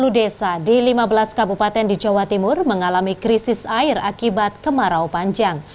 satu ratus tiga puluh desa di lima belas kabupaten di jawa timur mengalami krisis air akibat kemarau panjang